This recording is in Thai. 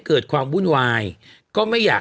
เกิดความวุ่นวายก็ไม่อยาก